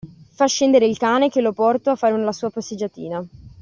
Fa scendere il cane che lo porto a fare la sua passeggiatina.